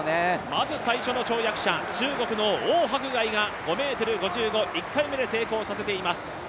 まず最初の跳躍者、中国の黄博凱が５ｍ５５、１回目で成功させています。